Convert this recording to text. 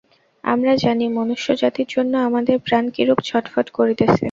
আমরা জানি, মনুষ্যজাতির জন্য আমাদের প্রাণ কিরূপ ছটফট করিতেছে।